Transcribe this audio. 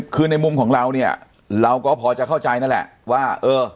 คือในมุมของเราเนี่ยเราก็พอจะเข้าใจนั่นแหละว่าเออ